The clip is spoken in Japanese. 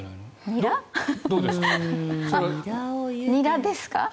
ニラですか？